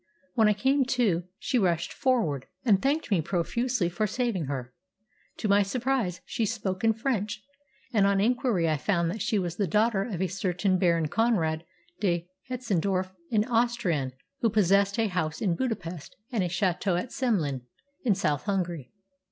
When I came to, she rushed forward, and thanked me profusely for saving her. To my surprise, she spoke in French, and on inquiry I found that she was the daughter of a certain Baron Conrad de Hetzendorf, an Austrian, who possessed a house in Budapest and a château at Semlin, in South Hungary.